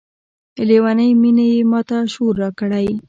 لیونۍ میني یې ماته شعور راکړی